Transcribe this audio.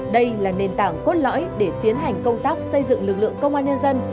đây là nền tảng cốt lõi để tiến hành công tác xây dựng lực lượng công an nhân dân